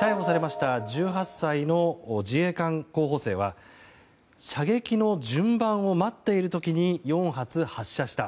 逮捕されました１８歳の自衛官候補生は射撃の順番を待っている時に４発発射した。